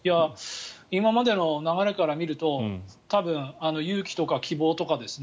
今までの流れから見ると多分、勇気とか希望とかですね